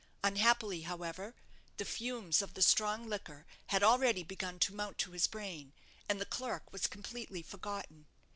Unhappily, however, the fumes of the strong liquor had already begun to mount to his brain, and the clerk was completely forgotten.